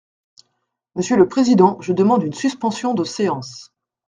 Monsieur le président, je demande une suspension de séance.